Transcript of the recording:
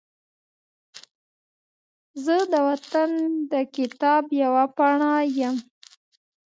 زه د وطن د کتاب یوه پاڼه یم